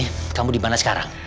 lady kamu dimana sekarang